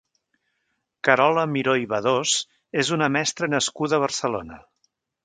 Carola Miró i Bedós és una mestra nascuda a Barcelona.